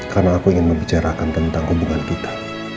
karena aku ingin membicarakan tentang hubungan kita